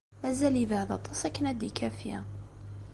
Mazal yebɛed aṭas akken ad d-ikafi.